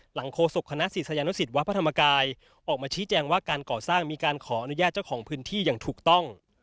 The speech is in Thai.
โคศกคณะศิษยานุสิตวัดพระธรรมกายออกมาชี้แจงว่าการก่อสร้างมีการขออนุญาตเจ้าของพื้นที่อย่างถูกต้อง